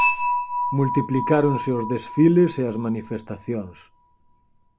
Multiplicáronse os desfiles e as manifestacións.